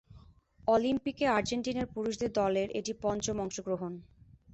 অলিম্পিকে আর্জেন্টিনার পুরুষদের দলের এটি পঞ্চম অংশগ্রহণ।